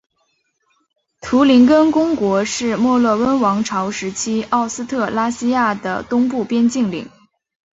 图林根公国是墨洛温王朝时期奥斯特拉西亚的东部边境领。